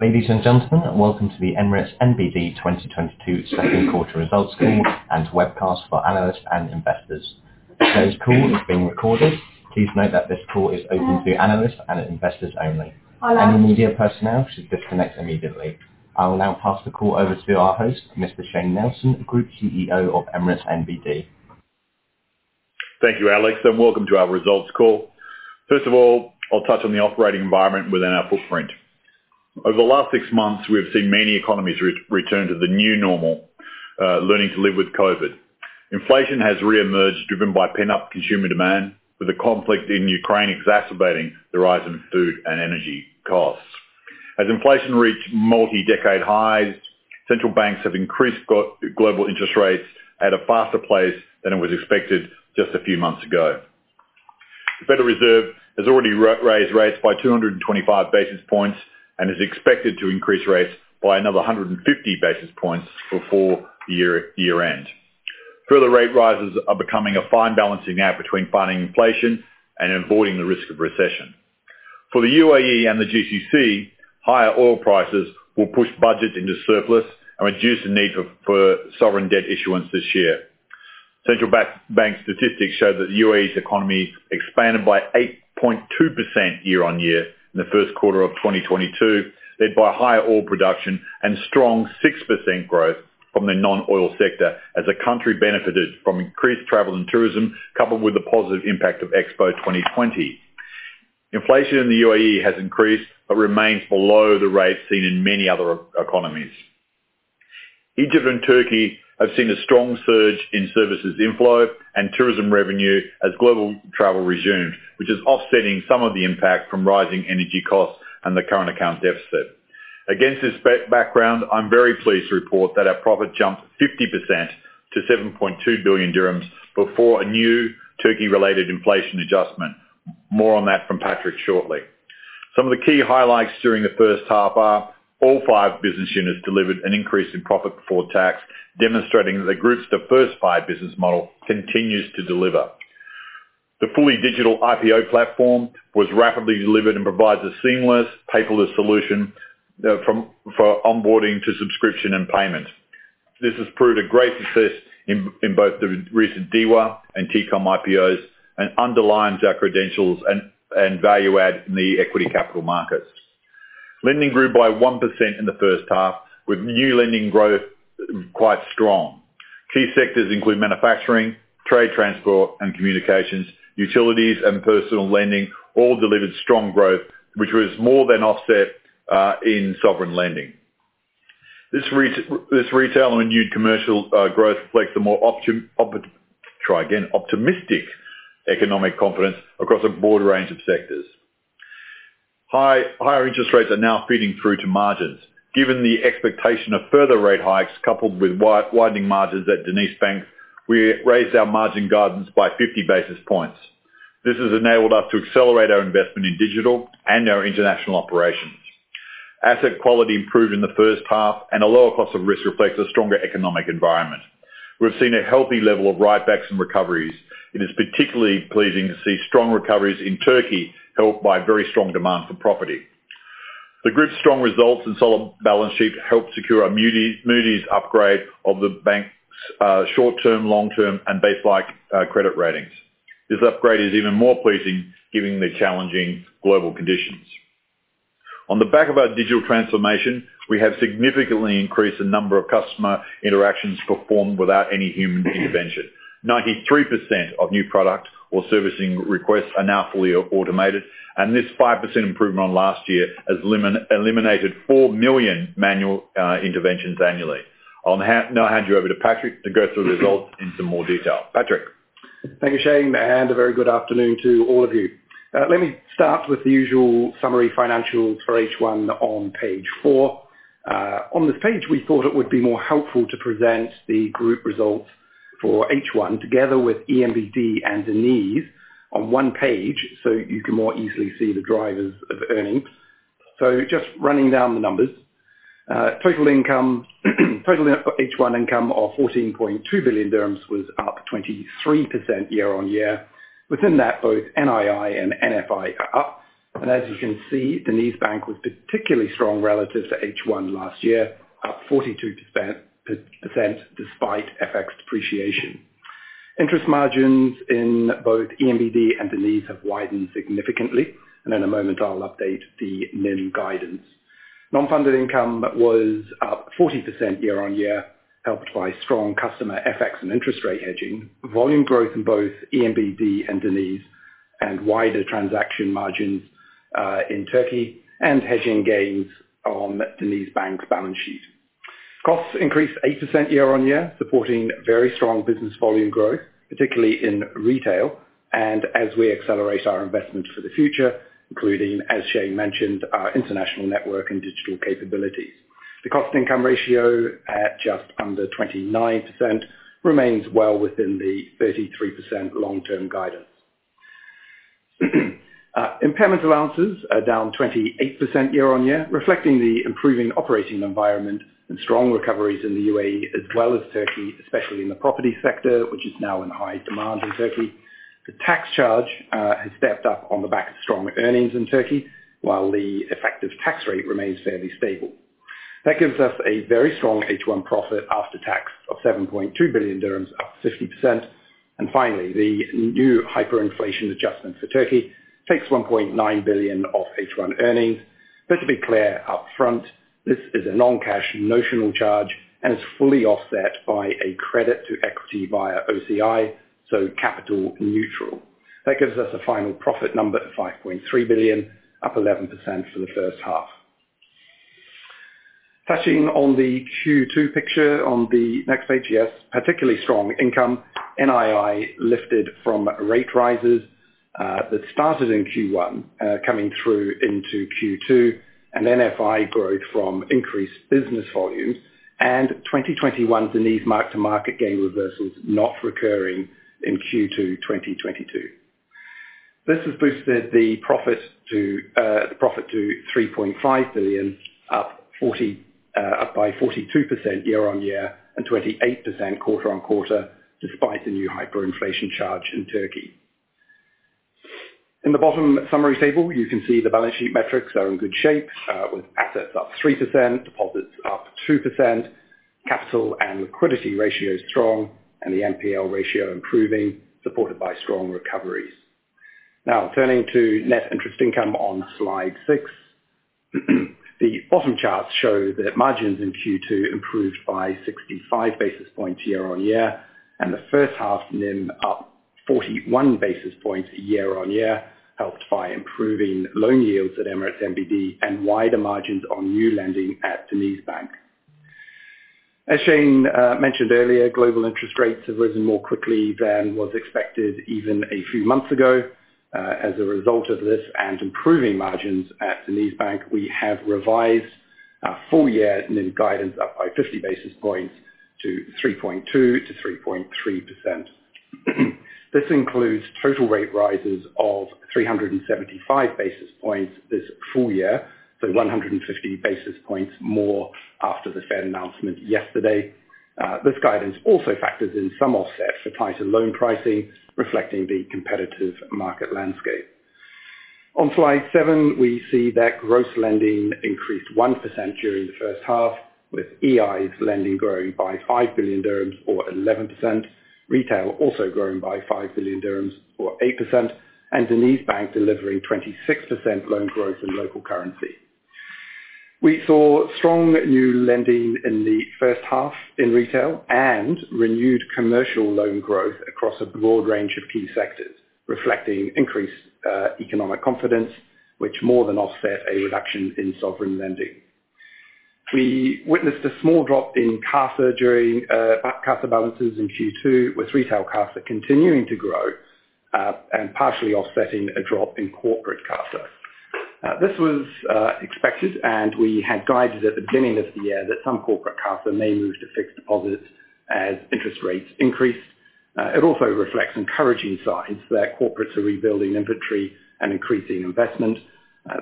Ladies and gentlemen, welcome to the Emirates NBD 2022 second quarter results call and webcast for analysts and investors. Today's call is being recorded. Please note that this call is open to analysts and investors only. Any media personnel should disconnect immediately. I will now pass the call over to our host, Mr. Shayne Nelson, Group CEO of Emirates NBD. Thank you, Alex, and welcome to our results call. First of all, I'll touch on the operating environment within our footprint. Over the last six months, we have seen many economies return to the new normal, learning to live with COVID. Inflation has re-emerged, driven by pent-up consumer demand, with the conflict in Ukraine exacerbating the rise in food and energy costs. As inflation reached multi-decade highs, central banks have increased global interest rates at a faster pace than it was expected just a few months ago. The Federal Reserve has already raised rates by 225 basis points and is expected to increase rates by another 150 basis points before year-end. Further rate rises are becoming a fine balancing act between fighting inflation and avoiding the risk of recession. For the UAE and the GCC, higher oil prices will push budgets into surplus and reduce the need for sovereign debt issuance this year. Central bank statistics show that the UAE's economy expanded by 8.2% year-on-year in the first quarter of 2022, led by higher oil production and strong 6% growth from the non-oil sector as the country benefited from increased travel and tourism, coupled with the positive impact of Expo 2020. Inflation in the UAE has increased but remains below the rates seen in many other economies. Egypt and Turkey have seen a strong surge in services inflow and tourism revenue as global travel resumed, which is offsetting some of the impact from rising energy costs and the current account deficit. Against this background, I'm very pleased to report that our profit jumped 50% to 7.2 billion dirhams before a new Turkey-related inflation adjustment. More on that from Patrick shortly. Some of the key highlights during the first half are all 5 business units delivered an increase in profit before tax, demonstrating that the Group's diversified business model continues to deliver. The fully digital IPO platform was rapidly delivered and provides a seamless paperless solution for onboarding to subscription and payment. This has proved a great success in both the recent DEWA and TECOM IPOs and underlines our credentials and value add in the equity capital markets. Lending grew by 1% in the first half, with new lending growth quite strong. Key sectors include manufacturing, trade, transport, and communications. Utilities and personal lending all delivered strong growth, which was more than offset in sovereign lending. This retail and renewed commercial growth reflects a more optimistic economic confidence across a broad range of sectors. Higher interest rates are now feeding through to margins. Given the expectation of further rate hikes, coupled with widening margins at DenizBank, we raised our margin guidance by 50 basis points. This has enabled us to accelerate our investment in digital and our international operations. Asset quality improved in the first half, and a lower cost of risk reflects a stronger economic environment. We've seen a healthy level of write-backs and recoveries. It is particularly pleasing to see strong recoveries in Turkey, helped by very strong demand for property. The group's strong results and solid balance sheet helped secure a Moody's upgrade of the bank's short-term, long-term, and base credit ratings. This upgrade is even more pleasing given the challenging global conditions. On the back of our digital transformation, we have significantly increased the number of customer interactions performed without any human intervention. 93% of new product or servicing requests are now fully automated, and this 5% improvement on last year has eliminated 4 million manual interventions annually. I'll now hand you over to Patrick to go through the results in some more detail. Patrick? Thank you, Shayne, and a very good afternoon to all of you. Let me start with the usual summary financials for H1 on page 4. On this page, we thought it would be more helpful to present the group results for H1 together with ENBD and Deniz on one page, so you can more easily see the drivers of earnings. Just running down the numbers. Total income, total H1 income of 14.2 billion dirhams was up 23% year-on-year. Within that, both NII and NFI are up. As you can see, Deniz Bank was particularly strong relative to H1 last year, up 42% year-on-year despite FX depreciation. Interest margins in both ENBD and Deniz have widened significantly, and in a moment I'll update the NIM guidance. Non-funded income was up 40% year-on-year, helped by strong customer FX and interest rate hedging, volume growth in both ENBD and DenizBank, and wider transaction margins in Turkey, and hedging gains on DenizBank's balance sheet. Costs increased 8% year-on-year, supporting very strong business volume growth, particularly in retail and as we accelerate our investment for the future, including, as Shayne mentioned, our international network and digital capabilities. The cost-income ratio at just under 29% remains well within the 33% long-term guidance. Impairment allowances are down 28% year-on-year, reflecting the improving operating environment and strong recoveries in the UAE as well as Turkey, especially in the property sector, which is now in high demand in Turkey. The tax charge has stepped up on the back of strong earnings in Turkey, while the effective tax rate remains fairly stable. That gives us a very strong H1 profit after tax of 7.2 billion dirhams, up 50%. Finally, the new hyperinflation adjustment for Turkey takes 1.9 billion of H1 earnings. Just to be clear up front, this is a non-cash notional charge and is fully offset by a credit to equity via OCI, so capital neutral. That gives us a final profit number of 5.3 billion, up 11% for the first half. Touching on the Q2 picture on the next page, yes, particularly strong income. NII lifted from rate rises that started in Q1 coming through into Q2 and NFI growth from increased business volumes and 2021 Deniz mark-to-market gain reversals not recurring in Q2 2022. This has boosted the profit to 3.5 billion, up by 42% year-on-year and 28% quarter-on-quarter, despite the new hyperinflation charge in Turkey. In the bottom summary table, you can see the balance sheet metrics are in good shape, with assets up 3%, deposits up 2%, capital and liquidity ratios strong, and the NPL ratio improving, supported by strong recoveries. Now turning to net interest income on Slide 6. The bottom chart shows that margins in Q2 improved by 65 basis points year-on-year, and the first half NIM up 41 basis points year-on-year, helped by improving loan yields at Emirates NBD and wider margins on new lending at DenizBank. As Shayne mentioned earlier, global interest rates have risen more quickly than was expected even a few months ago. As a result of this and improving margins at DenizBank, we have revised our full-year NIM guidance up by 50 basis points to 3.2%-3.3%. This includes total rate rises of 375 basis points this full year, so 150 basis points more after the Fed announcement yesterday. This guidance also factors in some offsets applied to loan pricing, reflecting the competitive market landscape. On Slide 7, we see that gross lending increased 1% during the first half, with EI's lending growing by 5 billion dirhams or 11%, retail also growing by 5 billion dirhams or 8%, and DenizBank delivering 26% loan growth in local currency. We saw strong new lending in the first half in retail and renewed commercial loan growth across a broad range of key sectors, reflecting increased economic confidence, which more than offset a reduction in sovereign lending. We witnessed a small drop in CASA balances in Q2, with retail CASA continuing to grow and partially offsetting a drop in corporate CASA. This was expected, and we had guided at the beginning of the year that some corporate CASA may move to fixed deposits as interest rates increase. It also reflects encouraging signs that corporates are rebuilding inventory and increasing investment.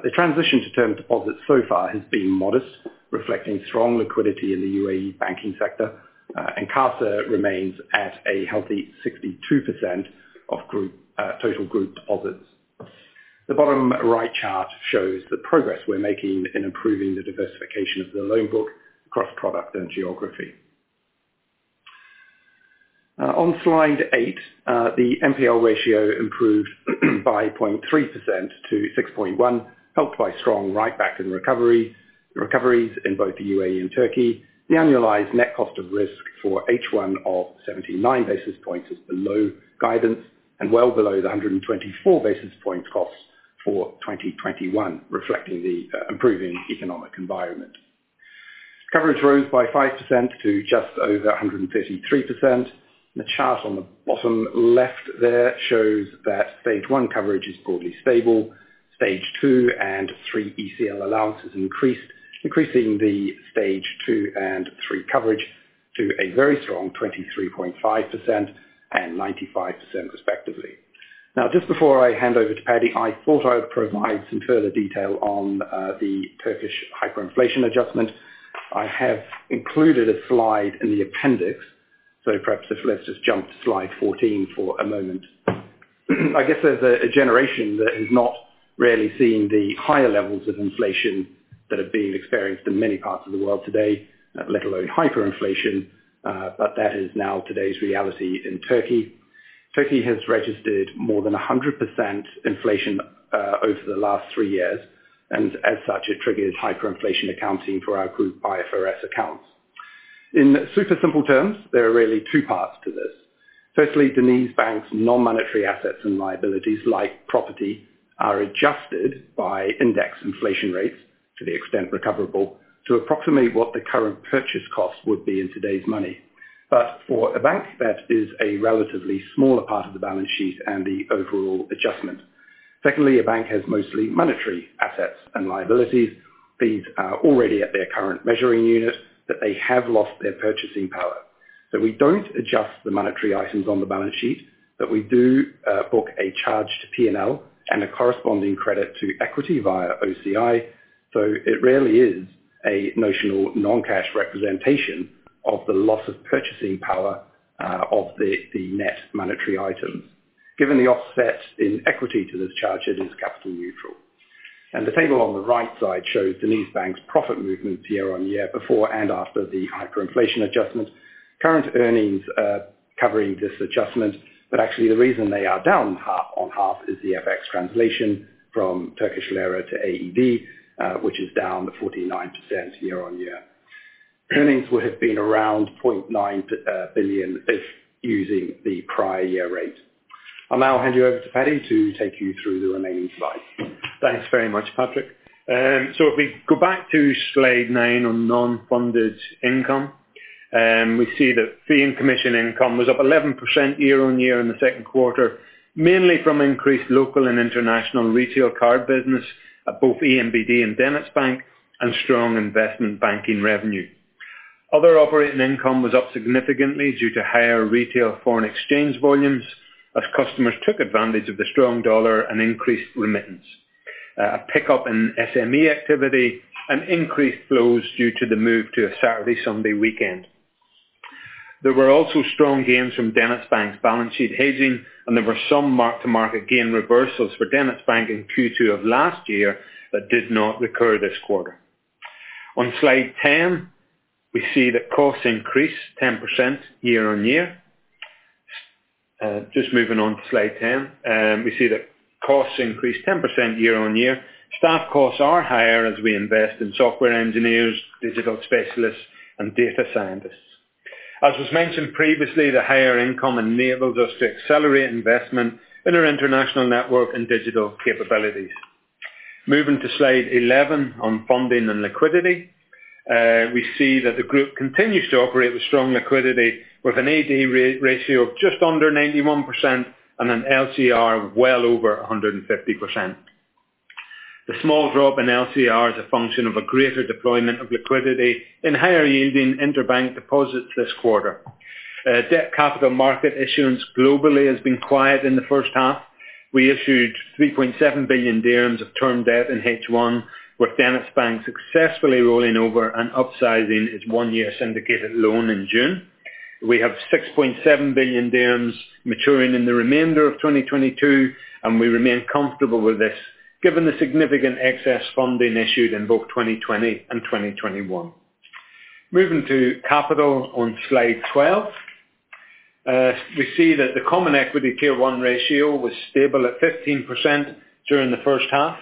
The transition to term deposits so far has been modest, reflecting strong liquidity in the UAE banking sector, and CASA remains at a healthy 62% of group, total group deposits. The bottom right chart shows the progress we're making in improving the diversification of the loan book across product and geography. On Slide 8, the NPL ratio improved by 0.3% to 6.1%, helped by strong write-back and recoveries in both the UAE and Turkey. The annualized net cost of risk for H1 of 79 basis points is below guidance and well below the 124 basis point costs for 2021, reflecting the improving economic environment. Coverage rose by 5% to just over 133%. The chart on the bottom left there shows that Stage one coverage is broadly stable. Stage two and three ECL allowances increased, increasing the Stage two and three coverage to a very strong 23.5% and 95% respectively. Now, just before I hand over to Paddy, I thought I would provide some further detail on the Turkish hyperinflation adjustment. I have included a slide in the appendix, so perhaps let's just jump to Slide 14 for a moment. I guess there's a generation that has not really seen the higher levels of inflation that are being experienced in many parts of the world today, let alone hyperinflation, but that is now today's reality in Turkey. Turkey has registered more than 100% inflation over the last 3 years, and as such, it triggers hyperinflation accounting for our group IFRS accounts. In super simple terms, there are really two parts to this. Firstly, DenizBank's non-monetary assets and liabilities like property are adjusted by index inflation rates to the extent recoverable to approximately what the current purchase cost would be in today's money. For a bank, that is a relatively smaller part of the balance sheet and the overall adjustment. Secondly, a bank has mostly monetary assets and liabilities. These are already at their current measuring unit, but they have lost their purchasing power. We don't adjust the monetary items on the balance sheet, but we do book a charge to P&L and a corresponding credit to equity via OCI. It really is a notional non-cash representation of the loss of purchasing power of the net monetary item. Given the offset in equity to this charge, it is capital neutral. The table on the right side shows the Deniz Bank's profit movements year-on-year before and after the hyperinflation adjustment. Current earnings after covering this adjustment, but actually the reason they are down by half is the FX translation from Turkish lira to AED, which is down 49% year-on-year. Earnings would have been around 0.9 billion if using the prior year rate. I'll now hand you over to Paddy to take you through the remaining slides. Thanks very much, Patrick. If we go back to slide 9 on non-funded income, we see that fee and commission income was up 11% year-on-year in the second quarter, mainly from increased local and international retail card business at both ENBD and DenizBank and strong investment banking revenue. Other operating income was up significantly due to higher retail foreign exchange volumes as customers took advantage of the strong dollar and increased remittance. A pickup in SME activity and increased flows due to the move to a Saturday-Sunday weekend. There were also strong gains from DenizBank's balance sheet hedging, and there were some mark-to-market gain reversals for DenizBank in Q2 of last year that did not recur this quarter. On slide 10, we see that costs increased 10% year-on-year. Just moving on to slide 10. We see that costs increased 10% year-over-year. Staff costs are higher as we invest in software engineers, digital specialists, and data scientists. As was mentioned previously, the higher income enables us to accelerate investment in our international network and digital capabilities. Moving to slide 11 on funding and liquidity. We see that the group continues to operate with strong liquidity with an advances-to-deposits ratio of just under 91% and an LCR well over 150%. The small drop in LCR is a function of a greater deployment of liquidity in higher yielding interbank deposits this quarter. Debt capital market issuance globally has been quiet in the first half. We issued 3.7 billion dirhams of term debt in H1, with DenizBank successfully rolling over and upsizing its one-year syndicated loan in June. We have 6.7 billion dirhams maturing in the remainder of 2022, and we remain comfortable with this given the significant excess funding issued in both 2020 and 2021. Moving to capital on slide 12. We see that the Common Equity Tier 1 ratio was stable at 15% during the first half.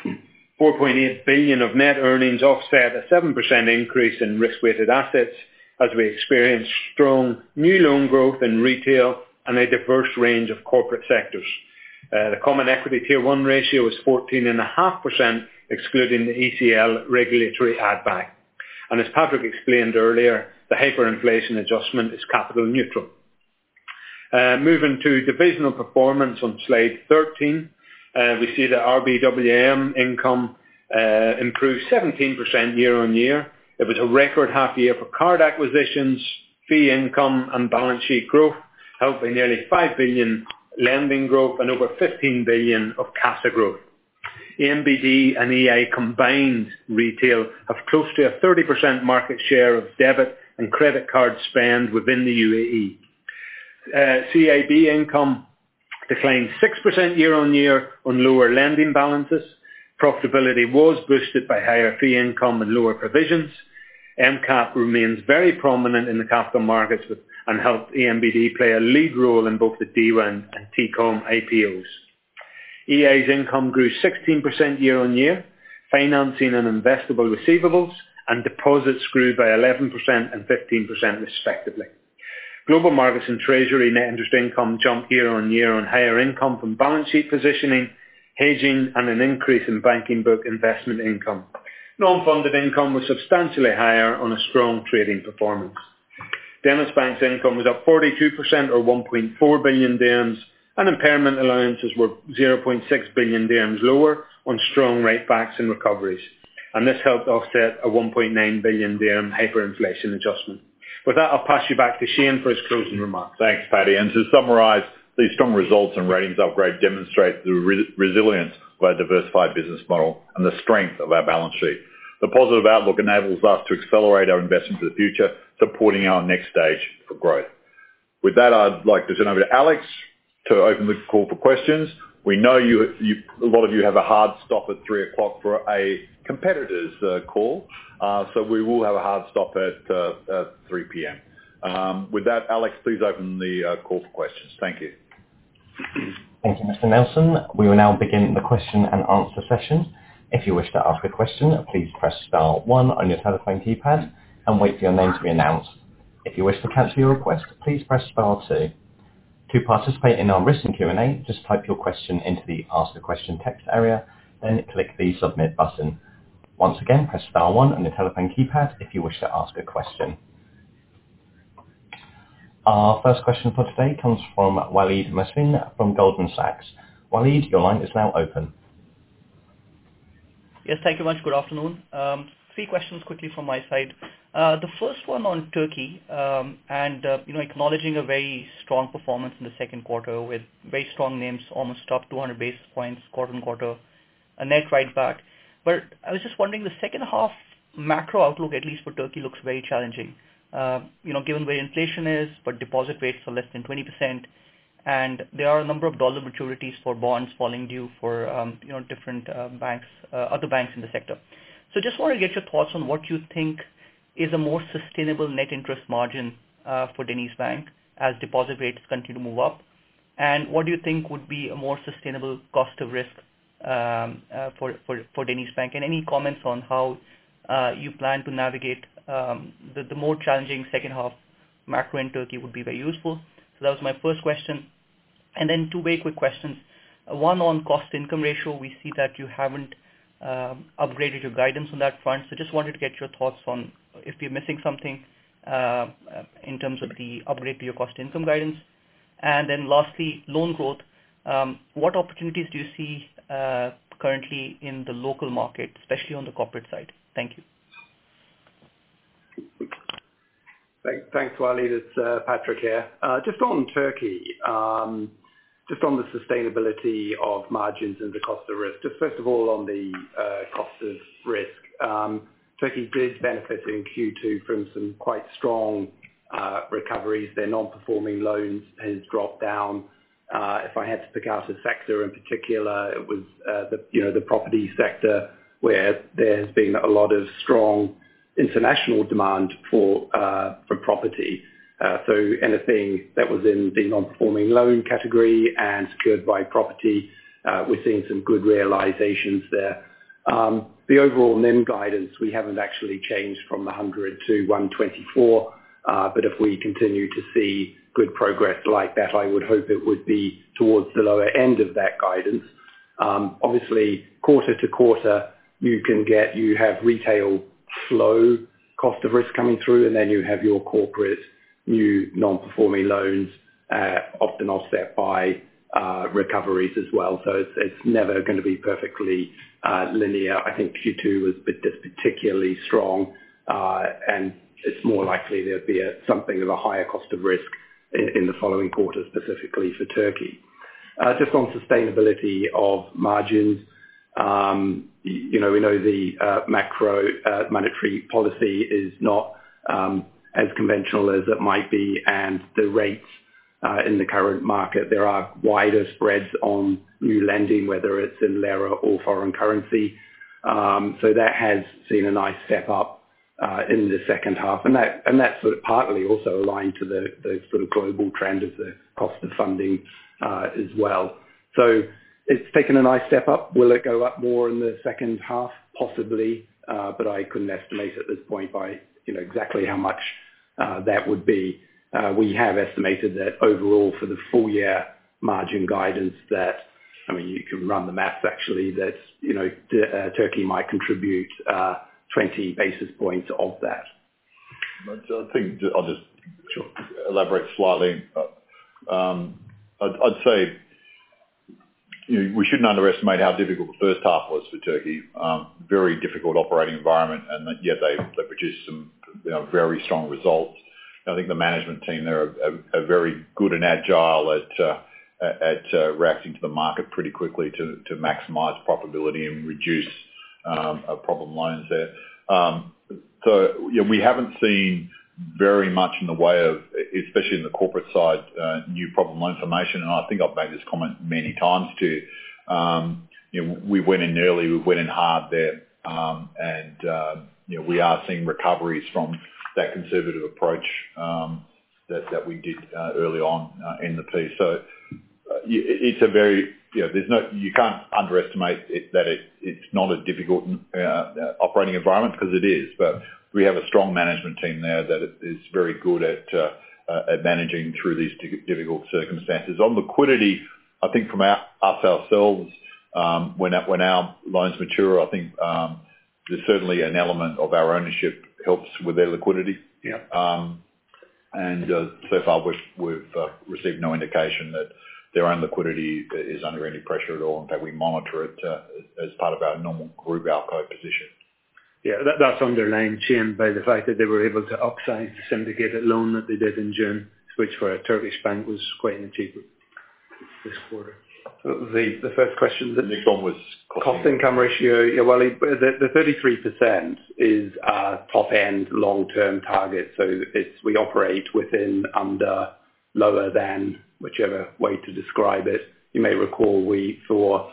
4.8 billion of net earnings offset a 7% increase in risk-weighted assets as we experienced strong new loan growth in retail and a diverse range of corporate sectors. The Common Equity Tier 1 ratio is 14.5%, excluding the ECL regulatory add back. As Patrick explained earlier, the hyperinflation adjustment is capital neutral. Moving to divisional performance on slide 13. We see that RBWM income improved 17% year-on-year. It was a record half year for card acquisitions, fee income and balance sheet growth, helping nearly 5 billion lending growth and over 15 billion of CASA growth. ENBD and EI combined retail have close to a 30% market share of debit and credit card spend within the UAE. CIB income declined 6% year-on-year on lower lending balances. Profitability was boosted by higher fee income and lower provisions. MCAP remains very prominent in the capital markets and helped ENBD play a lead role in both the DEWA and TECOM IPOs. EI's income grew 16% year-on-year, financing and investable receivables and deposits grew by 11% and 15% respectively. Global markets and treasury net interest income jumped year-on-year on higher income from balance sheet positioning, hedging and an increase in banking book investment income. Non-funded income was substantially higher on a strong trading performance. DenizBank's income was up 42% or 1.4 billion dirhams and impairment allowances were 0.6 billion dirhams lower on strong rate backs and recoveries. This helped offset a 1.9 billion dirham hyperinflation adjustment. With that, I'll pass you back to Shayne for his closing remarks. Thanks, Paddy. To summarize, these strong results and ratings upgrade demonstrate the resilience of our diversified business model and the strength of our balance sheet. The positive outlook enables us to accelerate our investment for the future, supporting our next stage for growth. With that, I'd like to turn over to Alex to open the call for questions. We know a lot of you have a hard stop at 3:00 P.M. for a competitor's call, so we will have a hard stop at 3:00 P.M. With that, Alex, please open the call for questions. Thank you. Thank you, Mr. Nelson. We will now begin the question and answer session. If you wish to ask a question, please press star one on your telephone keypad and wait for your name to be announced. If you wish to cancel your request, please press star two. To participate in our recent Q&A, just type your question into the Ask a Question text area, then click the Submit button. Once again, press star one on your telephone keypad if you wish to ask a question. Our first question for today comes from Waleed Mohsin from Goldman Sachs. Waleed, your line is now open. Yes, thank you much. Good afternoon. 3 questions quickly from my side. The first one on Turkey, and you know, acknowledging a very strong performance in the second quarter with very strong NIMs, almost top 200 basis points quarter-on-quarter. A net write back. I was just wondering, the second half macro outlook, at least for Turkey, looks very challenging. You know, given where inflation is, but deposit rates are less than 20%, and there are a number of dollar maturities for bonds falling due for different banks, other banks in the sector. So just want to get your thoughts on what you think is a more sustainable net interest margin for DenizBank as deposit rates continue to move up. What do you think would be a more sustainable cost of risk, for DenizBank? Any comments on how you plan to navigate the more challenging second half macro in Turkey would be very useful. That was my first question. Then two very quick questions. One on cost income ratio. We see that you haven't upgraded your guidance on that front. Just wanted to get your thoughts on if you're missing something in terms of the upgrade to your cost income guidance. Then lastly, loan growth. What opportunities do you see currently in the local market, especially on the corporate side? Thank you. Thanks. Thanks, Waleed. It's Patrick here. Just on Turkey, just on the sustainability of margins and the cost of risk. Just first of all, on the cost of risk. Turkey did benefit in Q2 from some quite strong recoveries. Their non-performing loans has dropped down. If I had to pick out a sector in particular, it was the you know, the property sector, where there has been a lot of strong international demand for property. So anything that was in the non-performing loan category and secured by property, we're seeing some good realizations there. The overall NIM guidance, we haven't actually changed from 100-124, but if we continue to see good progress like that, I would hope it would be towards the lower end of that guidance. Obviously, quarter to quarter, you can get. You have retail low cost of risk coming through, and then you have your corporate new non-performing loans, often offset by recoveries as well. It's never gonna be perfectly linear. I think Q2 was particularly strong, and it's more likely there'll be something of a higher cost of risk in the following quarter, specifically for Turkey. Just on sustainability of margins. You know, we know the macro monetary policy is not as conventional as it might be. The rates in the current market, there are wider spreads on new lending, whether it's in lira or foreign currency. That has seen a nice step up in the second half. That's sort of partly also aligned to the sort of global trend of the cost of funding as well. It's taken a nice step up. Will it go up more in the second half? Possibly, but I couldn't estimate at this point, you know, exactly how much that would be. We have estimated that overall for the full year margin guidance, I mean, you can run the math actually, you know, Turkey might contribute 20 basis points of that. I think I'll just elaborate slightly. I'd say we shouldn't underestimate how difficult the first half was for Turkey. Very difficult operating environment, and yet they produced some, you know, very strong results. I think the management team there are very good and agile at reacting to the market pretty quickly to maximize profitability and reduce problem loans there. We haven't seen very much in the way of, especially in the corporate side, new problem loan formation. I think I've made this comment many times too. You know, we went in early, we went in hard there, and you know, we are seeing recoveries from that conservative approach, that we did early on in the piece. It's a very, you know, you can't underestimate it, that it's not a difficult operating environment because it is. We have a strong management team there that is very good at managing through these difficult circumstances. On liquidity, I think from ourselves, when our loans mature, I think, there's certainly an element of our ownership helps with their liquidity. Yeah. So far, we've received no indication that their own liquidity is under any pressure at all. In fact, we monitor it as part of our normal group outcome position. Yeah. That's underpinned by the fact that they were able to upsize the syndicated loan that they did in June, which for a Turkish bank was quite an achievement this quarter. The first question. The next one was. Cost income ratio. Yeah. Well, the 33% is our top end long-term target, so it's, we operate within, under, lower than, whichever way to describe it. You may recall for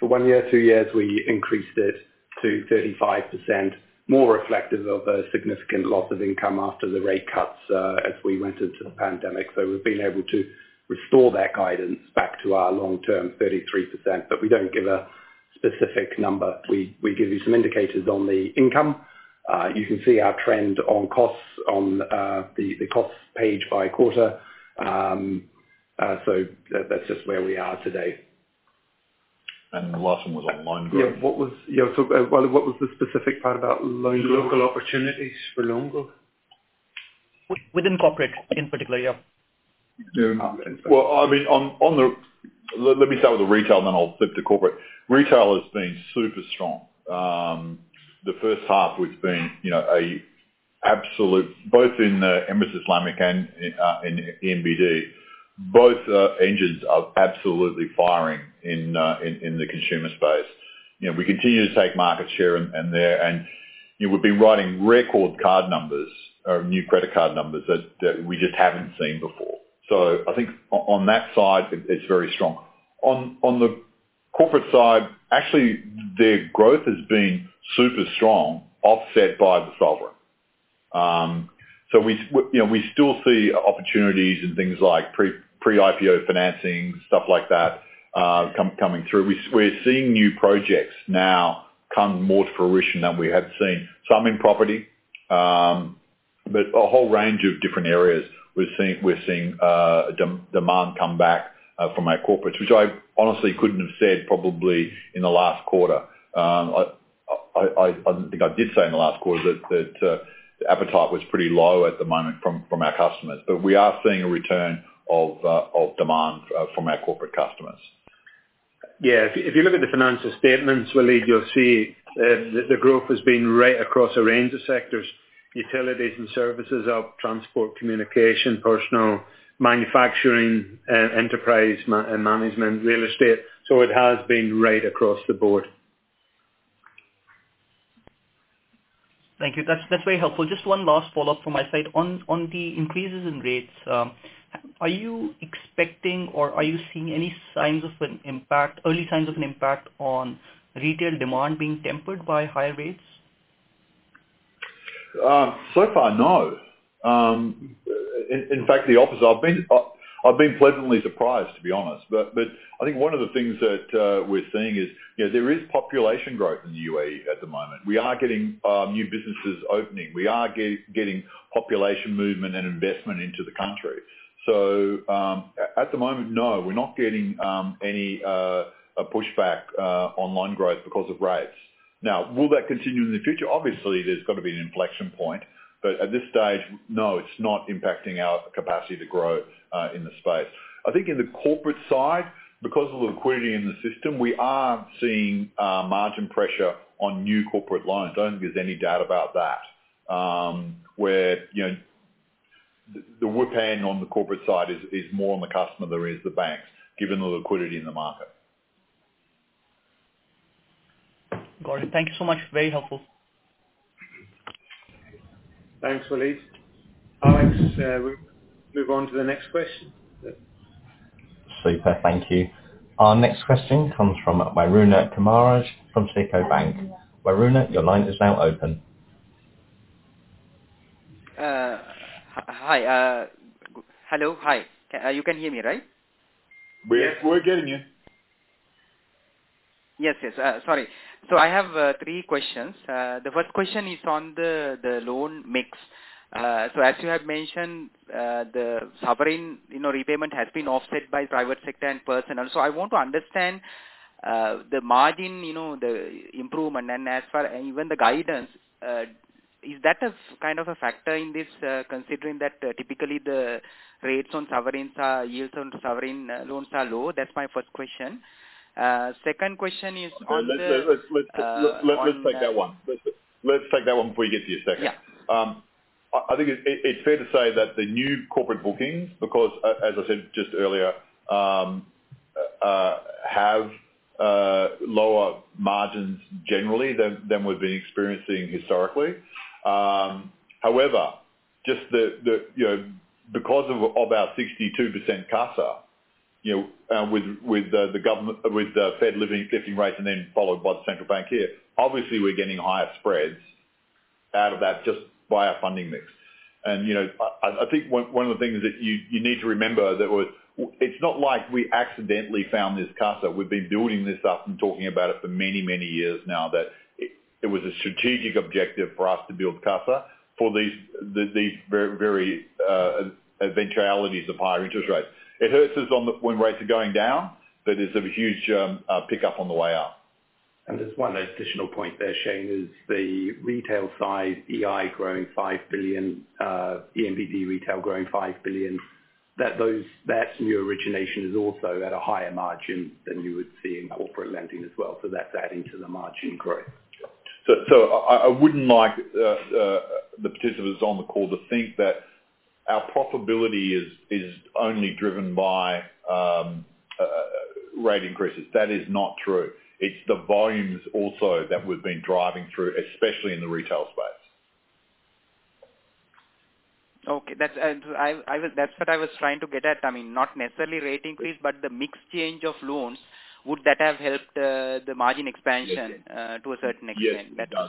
one year, two years, we increased it to 35%, more reflective of a significant loss of income after the rate cuts, as we went into the pandemic. We've been able to restore that guidance back to our long-term 33%. We don't give a specific number. We give you some indicators on the income. You can see our trend on costs on the cost page by quarter. That's just where we are today. The last one was on loan growth. What was the specific part about loan growth? Local opportunities for loan growth. Within corporate in particular. Yeah. Yeah. Well, I mean, let me start with retail, then I'll flip to corporate. Retail has been super strong. The first half we've been, you know, absolutely both in Emirates Islamic and in ENBD, both engines are absolutely firing in the consumer space. You know, we continue to take market share in there, and you would be writing record card numbers or new credit card numbers that we just haven't seen before. So I think on that side, it's very strong. On the corporate side, actually their growth has been super strong, offset by the sovereign. You know, we still see opportunities in things like pre-IPO financing, stuff like that coming through. We're seeing new projects now coming more to fruition than we have seen. Some in property, but a whole range of different areas we're seeing demand come back from our corporates, which I honestly couldn't have said probably in the last quarter. I don't think I did say in the last quarter that the appetite was pretty low at the moment from our customers. We are seeing a return of demand from our corporate customers. If you look at the financial statements, Waleed, you'll see the growth has been right across a range of sectors. Utilities and services up, transport, communication, personal, manufacturing, enterprise management, real estate. It has been right across the board. Thank you. That's very helpful. Just one last follow-up from my side. On the increases in rates, are you expecting or are you seeing any signs of an impact, early signs of an impact on retail demand being tempered by higher rates? So far, no. In fact, the opposite. I've been pleasantly surprised, to be honest. I think one of the things that we're seeing is, you know, there is population growth in the UAE at the moment. We are getting new businesses opening. We are getting population movement and investment into the country. At the moment, no, we're not getting any pushback on loan growth because of rates. Now, will that continue in the future? Obviously, there's gotta be an inflection point, but at this stage, no, it's not impacting our capacity to grow in the space. I think in the corporate side, because of the liquidity in the system, we are seeing margin pressure on new corporate loans. I don't think there's any doubt about that. where, you know, the whip hand on the corporate side is more on the customer than it is the banks, given the liquidity in the market. Got it. Thank you so much. Very helpful. Thanks, Waleed. Alex, we'll move on to the next question. Super. Thank you. Our next question comes from Waruna Kumarage from SICO Bank. Waruna, your line is now open. Hi. Hello. Hi. You can hear me, right? We're getting you. Yes, yes. Sorry. I have three questions. The first question is on the loan mix. As you have mentioned, the sovereign, you know, repayment has been offset by private sector and personal. I want to understand the margin, you know, the improvement, and as for even the guidance, is that a sort of kind of factor in this, considering that typically yields on sovereign loans are low? That's my first question. Second question is on the- Let's take that one. Let's take that one before you get to your second. Yeah. I think it's fair to say that the new corporate bookings, because as I said just earlier, have lower margins generally than we've been experiencing historically. However, you know, because of our 62% CASA, you know, with the Fed lifting rates and then followed by the central bank here, obviously we're getting higher spreads out of that just by our funding mix. You know, I think one of the things that you need to remember that was. It's not like we accidentally found this CASA. We've been building this up and talking about it for many years now, that it was a strategic objective for us to build CASA for these very eventualities of higher interest rates. It hurts us when rates are going down, but there's a huge pickup on the way up. Just one additional point there, Shayne, is the retail side EI growing 5 billion, ENBD retail growing 5 billion. That new origination is also at a higher margin than you would see in corporate lending as well. That's adding to the margin growth. I wouldn't like the participants on the call to think that our profitability is only driven by rate increases. That is not true. It's the volumes also that we've been driving through, especially in the retail space. That's what I was trying to get at. I mean, not necessarily rate increase, but the mix change of loans, would that have helped the margin expansion? Yes. To a certain extent? Yes. That's my-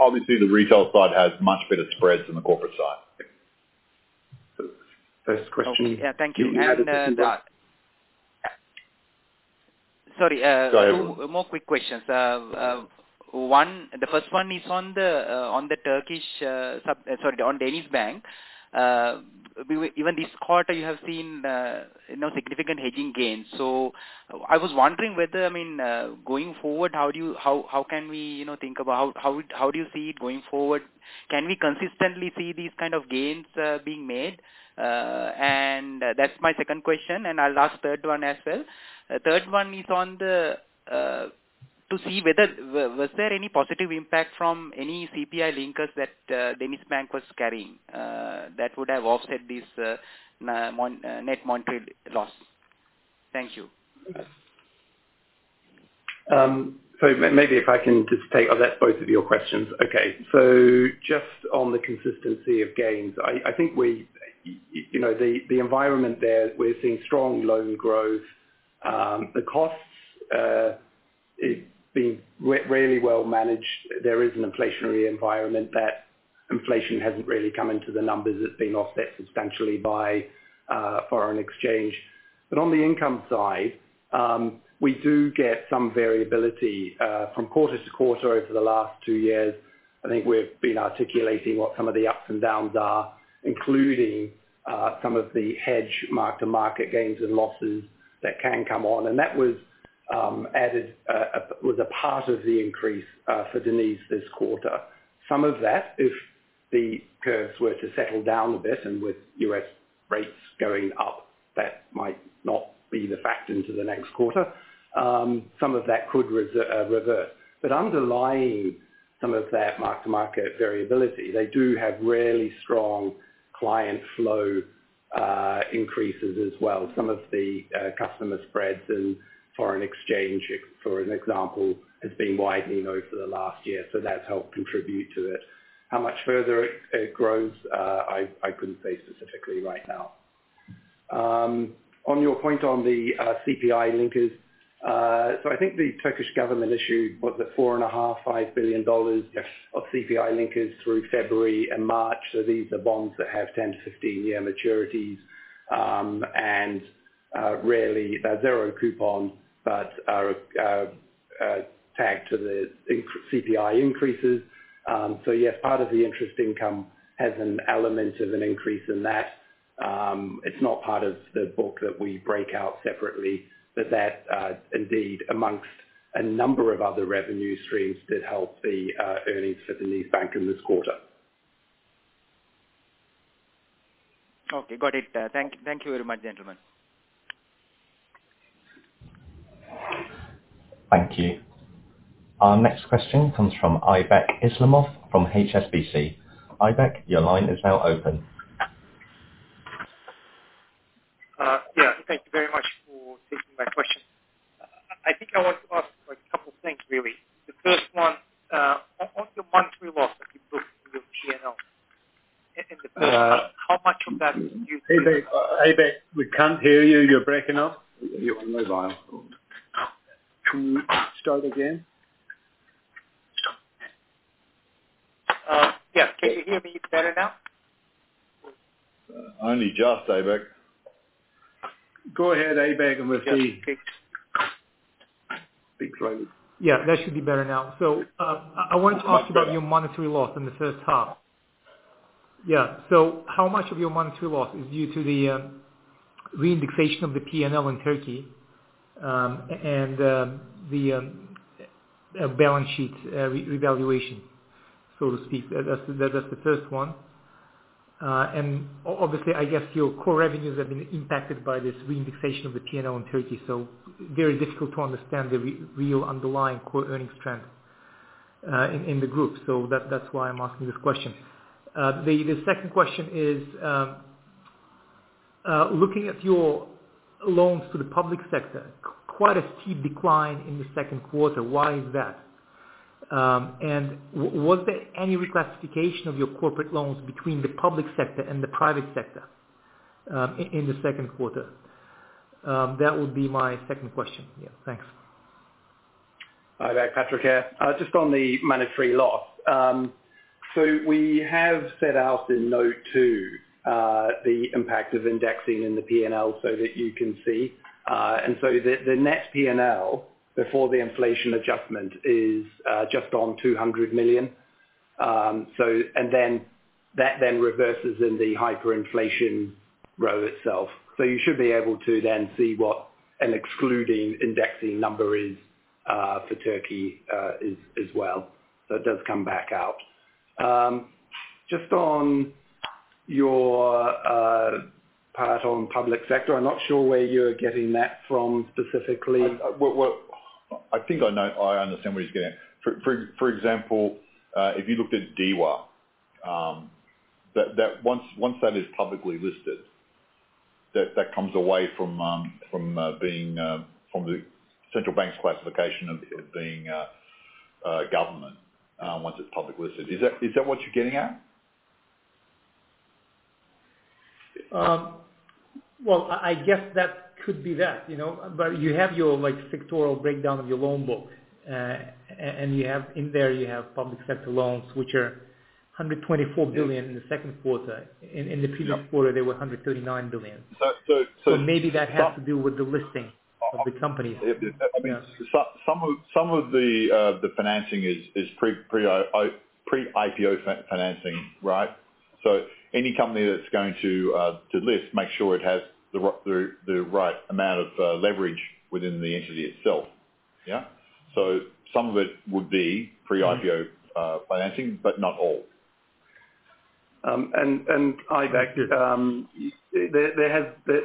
Obviously, the retail side has much better spreads than the corporate side. First question- Okay. Yeah. Thank you. You added a third. Sorry. Go ahead. Two more quick questions. One, the first one is on DenizBank. Even this quarter, you have seen, you know, significant hedging gains. So I was wondering whether, I mean, going forward, how do you, how can we, you know, think about how do you see it going forward? Can we consistently see these kind of gains being made? That's my second question, and I'll ask third one as well. Third one is to see whether there was any positive impact from any CPI linkers that DenizBank was carrying, that would have offset this net monetary loss? Thank you. Maybe if I can just take both of your questions. Okay. Just on the consistency of gains, I think we, you know, the environment there, we're seeing strong loan growth. The costs, it's been really well managed. There is an inflationary environment that inflation hasn't really come into the numbers. It's been offset substantially by foreign exchange. On the income side, we do get some variability from quarter to quarter over the last two years. I think we've been articulating what some of the ups and downs are, including some of the hedge mark-to-market gains and losses that can come on. That was added, was a part of the increase for DenizBank this quarter. Some of that, if the curves were to settle down a bit and with U.S. rates going up, that might not be the factor into the next quarter. Some of that could revert. Underlying some of that mark-to-market variability, they do have really strong client flow increases as well. Some of the customer spreads and foreign exchange, for example, has been widening over the last year. That's helped contribute to it. How much further it grows, I couldn't say specifically right now. On your point on the CPI linkers. I think the Turkish government issued $4.5-$5 billion of CPI linkers through February and March. These are bonds that have 10- to 15-year maturities, and rarely zero coupons, but are tagged to the CPI increases. Yes, part of the interest income has an element of an increase in that. It's not part of the book that we break out separately, but that indeed, among a number of other revenue streams did help the earnings for DenizBank in this quarter. Okay, got it. Thank you very much, gentlemen. Thank you. Our next question comes from Aybek Islamov from HSBC. Aybek, your line is now open. Yeah. Thank you very much for taking my question. I think I want to ask like a couple things really. The first one, on your monetary loss, if you look in your P&L. Uh. How much of that is used? Aybek, we can't hear you. You're breaking up. You're on mobile. Can you start again? Yeah. Can you hear me better now? Only just, Aybek. Go ahead, Aybek, and we'll see. Yeah. Okay. Slightly. Yeah, that should be better now. I want to talk about your monetary loss in the first half. Yeah. How much of your monetary loss is due to the reindexation of the P&L in Turkey, and the balance sheet revaluation, so to speak? That's the first one. Obviously, I guess your core revenues have been impacted by this reindexation of the P&L in Turkey, so very difficult to understand the real underlying core earnings trend in the group. That's why I'm asking this question. The second question is, looking at your loans to the public sector, quite a steep decline in the second quarter. Why is that? Was there any reclassification of your corporate loans between the public sector and the private sector in the second quarter? That would be my second question. Yeah. Thanks. Hi there, Patrick here. Just on the monetary loss. We have set out in Note 2 the impact of indexing in the P&L so that you can see. The net P&L before the inflation adjustment is just on 200 million. That then reverses in the hyperinflation row itself. You should be able to then see what an excluding indexing number is for Turkey as well. It does come back out. Just on your part on public sector, I'm not sure where you're getting that from specifically. Well, I think I know. I understand what he's getting at. For example, if you looked at DEWA, that once that is publicly listed, that comes away from being government once it's publicly listed. Is that what you're getting at? Well, I guess that could be that, you know. You have your, like, sectoral breakdown of your loan book. And you have in there public sector loans, which are 124 billion in the second quarter. In the previous quarter, they were 139 billion. So, so- Maybe that has to do with the listing of the companies. I mean, some of the financing is pre-IPO financing, right? Any company that's going to list makes sure it has the right amount of leverage within the entity itself. Yeah? Some of it would be pre-IPO financing, but not all. Aybek,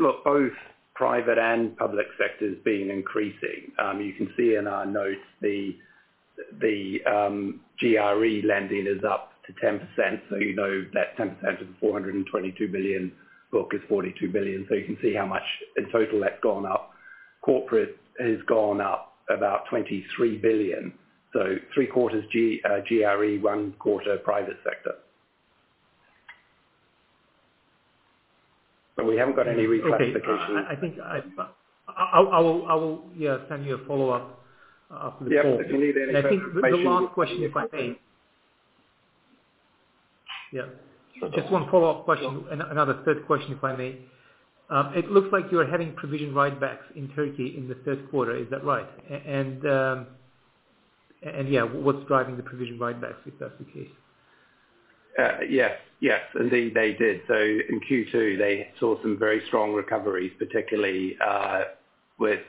look, both private and public sector's been increasing. You can see in our notes the GRE lending is up to 10%, so you know that 10% of the 422 billion book is 42 billion. You can see how much in total that's gone up. Corporate has gone up about 23 billion. Three quarters GRE, one quarter private sector. We haven't got any reclassification. Okay. I think I've I will, yeah, send you a follow-up after this call. Yeah, if you need any clarification. I think the last question, if I may. Yeah. Just one follow-up question. Another third question, if I may. It looks like you are having provision write-backs in Turkey in the third quarter. Is that right? And, and yeah, what's driving the provision write-backs, if that's the case? Yes. Yes, indeed they did. In Q2, they saw some very strong recoveries, particularly with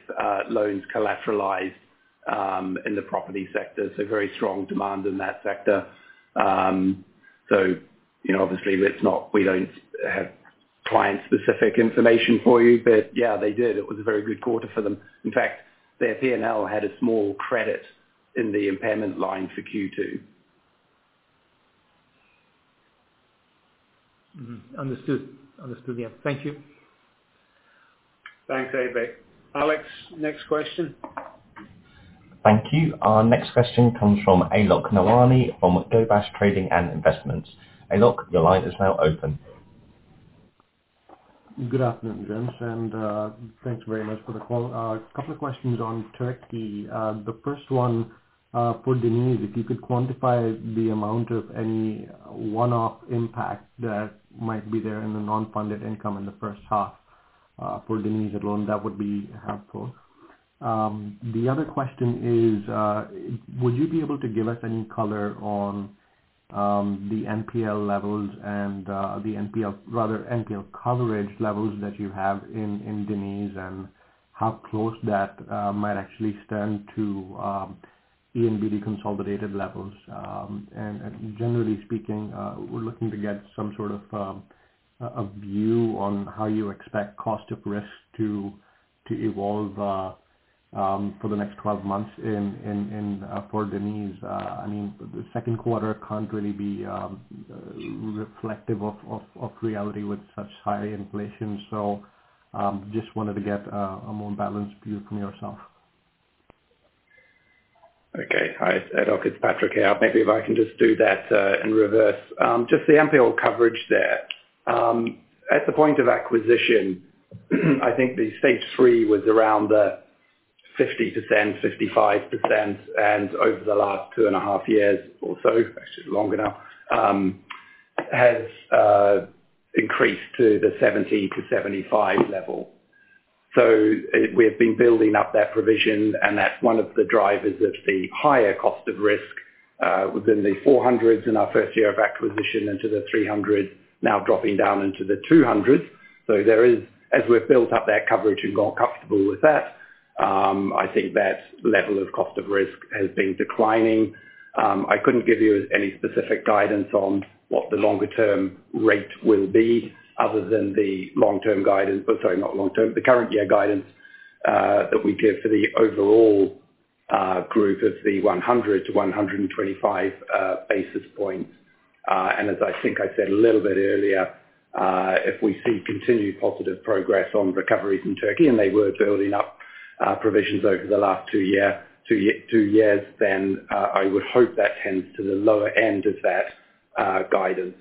loans collateralized in the property sector. Very strong demand in that sector. You know, obviously that's not. We don't have client-specific information for you. Yeah, they did. It was a very good quarter for them. In fact, their P&L had a small credit in the impairment line for Q2. Understood. Yeah. Thank you. Thanks, Aybek. Alex, next question. Thank you. Our next question comes from Alok Nawani from Cobas Trading and Investments. Alok, your line is now open. Good afternoon, gents, and thanks very much for the call. Couple of questions on Turkey. The first one, for Deniz. If you could quantify the amount of any one-off impact that might be there in the non-funded income in the first half, for Deniz alone, that would be helpful. The other question is, would you be able to give us any color on the NPL levels and the NPL coverage levels that you have in Deniz, and how close that might actually stand to the ENBD consolidated levels? Generally speaking, we're looking to get some sort of a view on how you expect cost of risk to evolve for the next 12 months in for Deniz. I mean, the second quarter can't really be reflective of reality with such high inflation. Just wanted to get a more balanced view from yourself. Okay. Hi, Alok Nawani. It's Patrick Clerkin here. Maybe if I can just do that in reverse. Just the NPL coverage there. At the point of acquisition, I think the stage three was around 50%-55%. Over the last two and a half years or so, actually longer now, has increased to the 70-75 level. We've been building up that provision, and that's one of the drivers of the higher cost of risk within the 400s in our first year of acquisition into the 300s, now dropping down into the 200s. As we've built up that coverage and got comfortable with that, I think that level of cost of risk has been declining. I couldn't give you any specific guidance on what the longer term rate will be other than the long-term guidance. Or sorry, not long-term, the current year guidance that we give for the overall group of 100 to 125 basis points. As I think I said a little bit earlier, if we see continued positive progress on recoveries in Turkey, and they were building up provisions over the last two years, then I would hope that tends to the lower end of that guidance.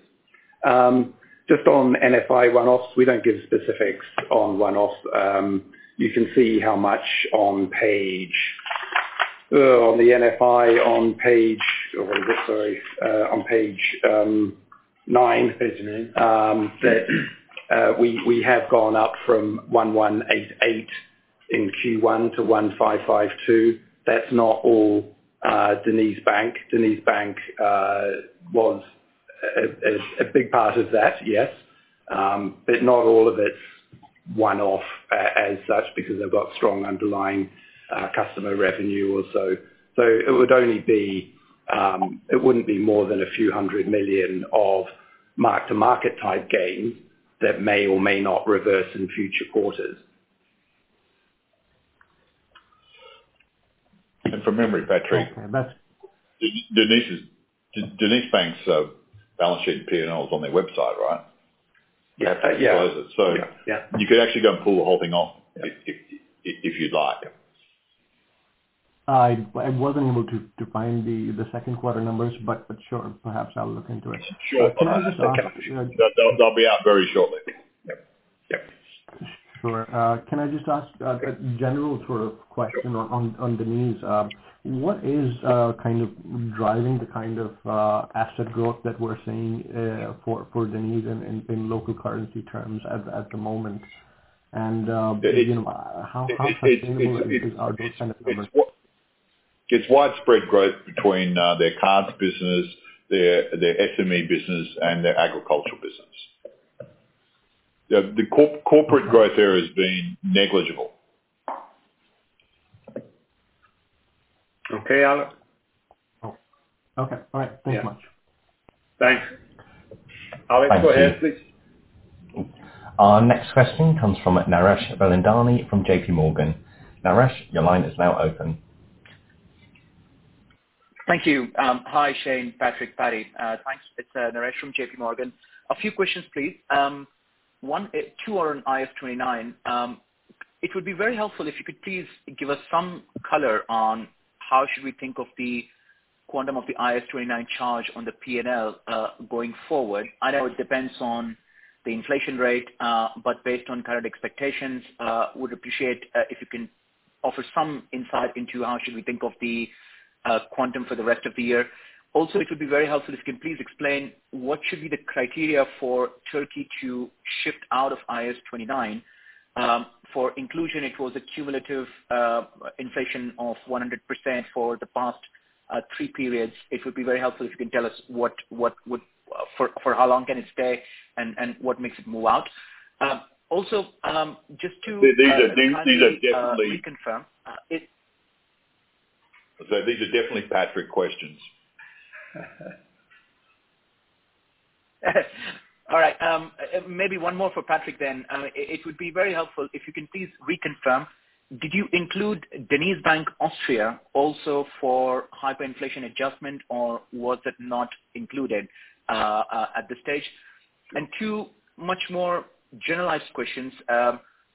Just on NFI one-offs, we don't give specifics on one-offs. You can see how much on the NFI on page nine. Page nine. That we have gone up from 1,188 in Q1 to 1,552. That's not all, DenizBank. DenizBank was a big part of that, yes. Not all of it's one-off as such because they've got strong underlying customer revenue also. It would only be, it wouldn't be more than AED a few hundred million of mark-to-market type gains that may or may not reverse in future quarters. From memory, Patrick, DenizBank's balance sheet P&L is on their website, right? Yeah. You could actually go and pull the whole thing off if you'd like. I wasn't able to find the second quarter numbers, but sure. Perhaps I'll look into it. Sure. Can I just ask? They'll be out very shortly. Yeah. Yeah. Sure. Can I just ask a general sort of question on Deniz? What is kind of driving the kind of asset growth that we're seeing for Deniz in local currency terms at the moment? You know, how sustainable is this? Are they trying to? It's widespread growth between their cards business, their SME business, and their agricultural business. The corporate growth there has been negligible. Okay, Alex? Oh, okay. All right. Yeah. Thanks much. Thanks. Alex, go ahead please. Thank you. Our next question comes from Naresh Bilandani from JP Morgan. Naresh, your line is now open. Thank you. Hi, Shayne, Patrick, Paddy. Thanks. It's Naresh from JP Morgan. A few questions, please. One, two are on IAS 29. It would be very helpful if you could please give us some color on how should we think of the quantum of the IAS 29 charge on the P&L, going forward. I know it depends on the inflation rate, but based on current expectations, would appreciate if you can offer some insight into how should we think of the quantum for the rest of the year. Also, it would be very helpful if you can please explain what should be the criteria for Turkey to shift out of IAS 29, for inclusion. It was a cumulative inflation of 100% for the past three periods. It would be very helpful if you can tell us for how long can it stay and what makes it move out. Also, just to- These are definitely. -reconfirm, uh, if- These are definitely Patrick questions. All right, maybe one more for Patrick then. It would be very helpful if you can please reconfirm, did you include DenizBank AG also for hyperinflation adjustment, or was it not included at this stage? Two much more generalized questions.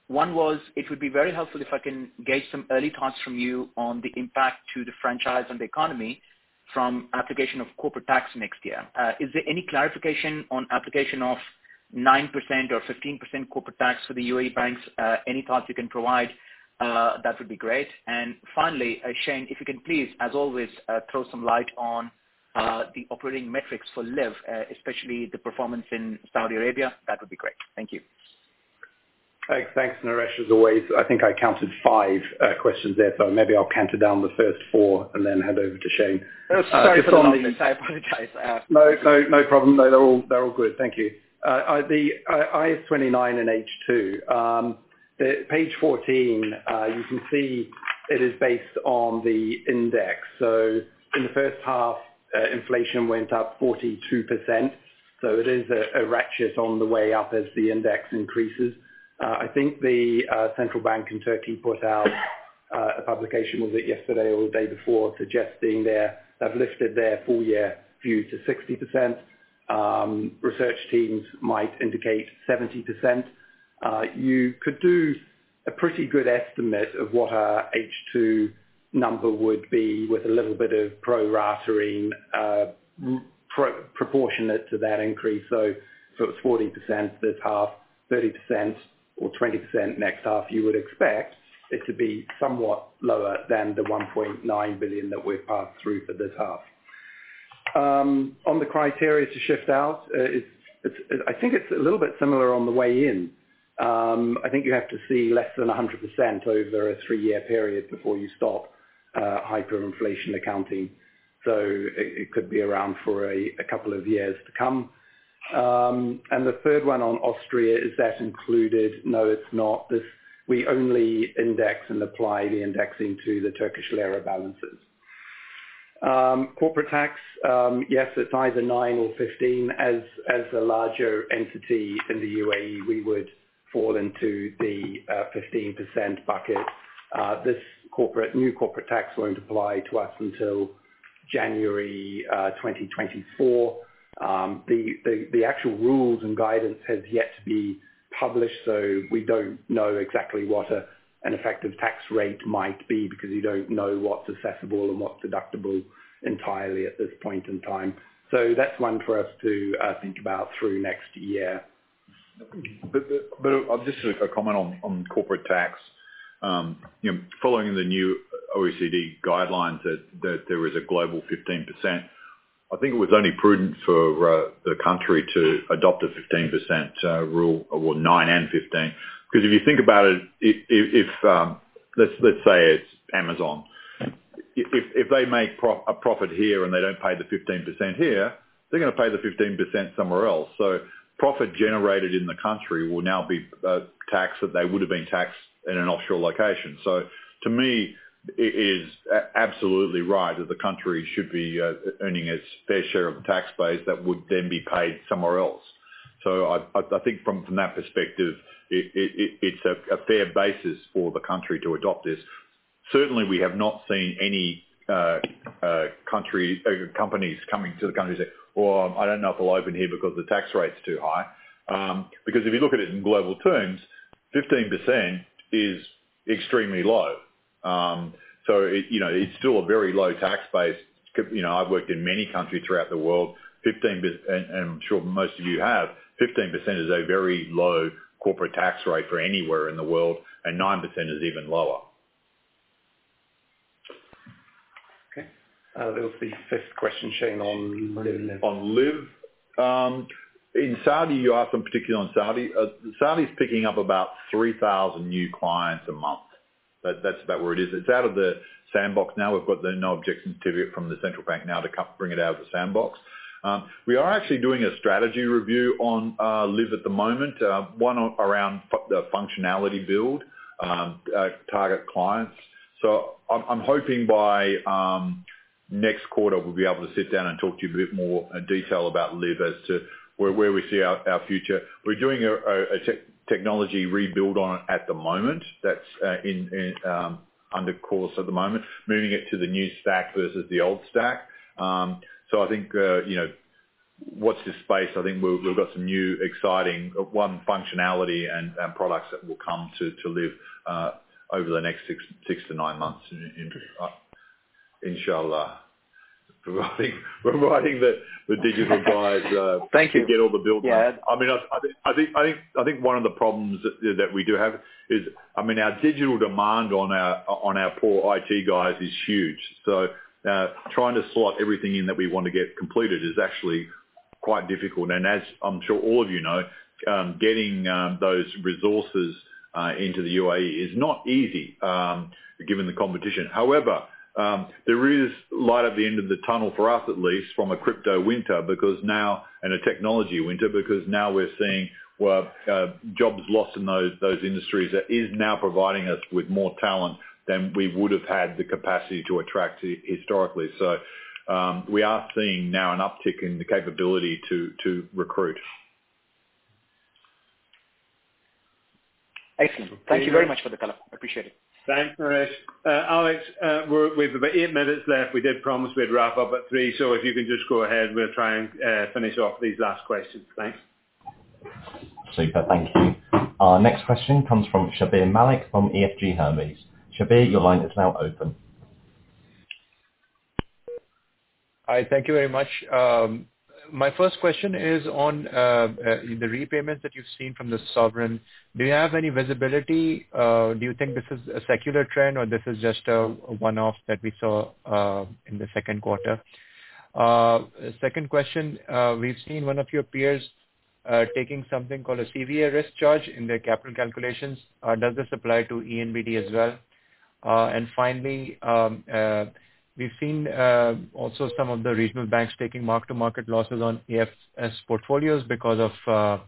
One was, it would be very helpful if I can gauge some early thoughts from you on the impact to the franchise and the economy from application of corporate tax next year. Is there any clarification on application of 9% or 15% corporate tax for the UAE banks? Any thoughts you can provide that would be great. Finally, Shayne, if you can please, as always, throw some light on the operating metrics for Liv, especially the performance in Saudi Arabia, that would be great. Thank you. Thanks. Thanks, Naresh. As always, I think I counted five questions there. Maybe I'll count down the first four and then hand over to Shayne. Sorry for the long list. I apologize. No problem. No, they're all good. Thank you. The IAS 29 in H2. Page 14, you can see it is based on the index. In the first half, inflation went up 42%. It is a ratchet on the way up as the index increases. I think the Central Bank in Turkey put out a publication, was it yesterday or the day before, suggesting they've lifted their full year view to 60%. Research teams might indicate 70%. You could do a pretty good estimate of what our H2 number would be with a little bit of pro-rata proportionate to that increase. If it's 40% this half, 30% or 20% next half, you would expect it to be somewhat lower than the 1.9 billion that we've passed through for this half. On the criteria to shift out, it's a little bit similar on the way in. I think you have to see less than 100% over a 3-year period before you stop hyperinflation accounting. It could be around for a couple of years to come. And the third one on Austria, is that included? No, it's not. We only index and apply the indexing to the Turkish lira balances. Corporate tax. Yes, it's either 9 or 15. As a larger entity in the UAE, we would fall into the 15% bucket. This new corporate tax won't apply to us until January 2024. The actual rules and guidance has yet to be published, so we don't know exactly what an effective tax rate might be because you don't know what's assessable and what's deductible entirely at this point in time. That's one for us to think about through next year. Just a comment on corporate tax. You know, following the new OECD guidelines that there is a global 15%, I think it was only prudent for the country to adopt a 15% rule, or 9% and 15%. Because if you think about it, let's say it's Amazon. If they make a profit here and they don't pay the 15% here, they're gonna pay the 15% somewhere else. Profit generated in the country will now be taxed that they would have been taxed in an offshore location. To me, it is absolutely right that the country should be earning its fair share of the tax base that would then be paid somewhere else. I think from that perspective, it's a fair basis for the country to adopt this. Certainly we have not seen any country or companies coming to the country say, "Well, I don't know if I'll open here because the tax rate's too high." Because if you look at it in global terms, 15% is extremely low. It, you know, it's still a very low tax base. You know, I've worked in many countries throughout the world. 15%, and I'm sure most of you have, 15% is a very low corporate tax rate for anywhere in the world, and 9% is even lower. Okay. That was the fifth question, Shayne, on Liv. On Liv. in Saudi, you asked in particular on Saudi. Saudi is picking up about 3,000 new clients a month. That's about where it is. It's out of the sandbox now. We've got the no objection certificate from the Central Bank now to bring it out of the sandbox. We are actually doing a strategy review on Liv. at the moment. One around the functionality build, target clients. I'm hoping by next quarter we'll be able to sit down and talk to you a bit more in detail about Liv. as to where we see our future. We're doing a technology rebuild on it at the moment. That's underway at the moment, moving it to the new stack versus the old stack. I think you know, watch this space. I think we've got some new exciting functionality and products that will come to Liv. over the next 6-9 months, inshallah. Providing the digital guys Thank you. To get all the build done. Yeah. I mean, I think one of the problems that we do have is, I mean, our digital demand on our poor IT guys is huge. Trying to slot everything in that we want to get completed is actually quite difficult. As I'm sure all of you know, getting those resources into the UAE is not easy, given the competition. However, there is light at the end of the tunnel for us at least from a crypto winter because now and a technology winter, because now we're seeing jobs lost in those industries that is now providing us with more talent than we would've had the capacity to attract historically. We are seeing now an uptick in the capability to recruit. Excellent. Thank you very much for the color. Appreciate it. Thanks, Naresh. Alex, we've about eight minutes left. We did promise we'd wrap up at 3:00 P.M. If you can just go ahead, we'll try and finish off these last questions. Thanks. Super. Thank you. Our next question comes from Shabbir Malik from EFG Hermes. Shabbir, your line is now open. Hi, thank you very much. My first question is on the repayments that you've seen from the sovereign. Do you have any visibility? Do you think this is a secular trend or this is just a one-off that we saw in the second quarter? Second question. We've seen one of your peers taking something called a CVA risk charge in their capital calculations. Does this apply to ENBD as well? Finally, we've seen also some of the regional banks taking mark-to-market losses on AFS portfolios because of